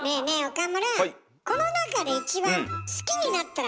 岡村。